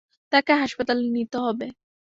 তাকে হাসপাতালে নিতে হবে।